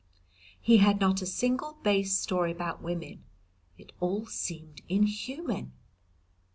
He had not a single base story about women. It all seemed inhuman.